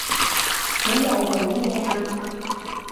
你又做咩啊